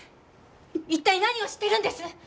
一体何を知っているんです！？